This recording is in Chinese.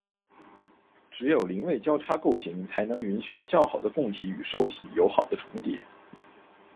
只有邻位交叉构型才能允许较好的供体与受体有好的重叠。